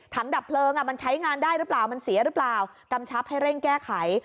ดับเพลิงมันใช้งานได้หรือเปล่ามันเสียหรือเปล่ากำชับให้เร่งแก้ไข